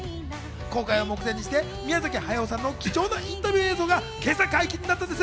公開を目前にして、宮崎駿さんの貴重なインタビュー映像が今朝解禁になったんです。